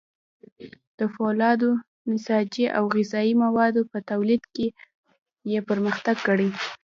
د فولادو، نساجي او غذايي موادو په تولید کې یې پرمختګ کړی.